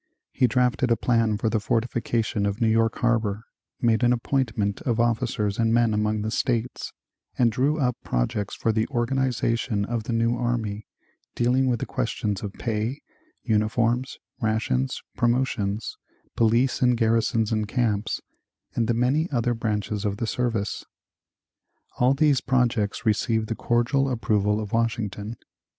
He drafted a plan for the fortification of New York harbor, made an apportionment of officers and men among the states, and drew up projects for the organization of the new army, dealing with the questions of pay, uniforms, rations, promotions, police in garrisons and camps, and the many other branches of the service. All these projects received the cordial approval of Washington.